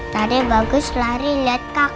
tadi bagus lari liat kakak